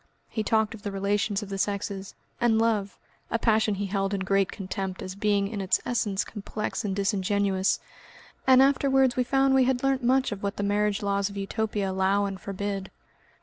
He talked of the relations of the sexes, and love a passion he held in great contempt as being in its essence complex and disingenuous and afterwards we found we had learnt much of what the marriage laws of Utopia allow and forbid.